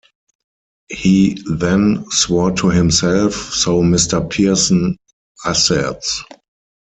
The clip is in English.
He then swore to himself, so Mr. Pearson asserts.